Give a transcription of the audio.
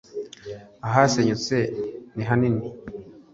Ahasenyutse nihanini.